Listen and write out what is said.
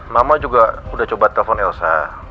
mama juga udah coba telepon elsa